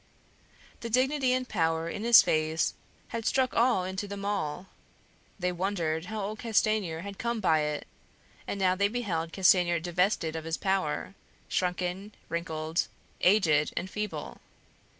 The dignity and power in his face had struck awe into them all; they wondered how old Castanier had come by it; and now they beheld Castanier divested of his power, shrunken, wrinkled, aged, and feeble.